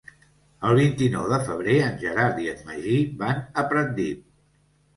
El vint-i-nou de febrer en Gerard i en Magí van a Pratdip.